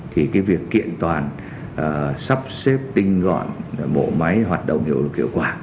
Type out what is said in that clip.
thì cái việc kiện toàn sắp xếp tinh gọn bộ máy hoạt động hiệu lực hiệu quả